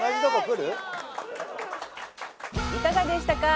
いかがでしたか？